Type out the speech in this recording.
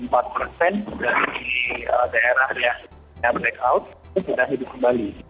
delapan puluh empat persen dari daerahnya yang breakout itu sudah hidup kembali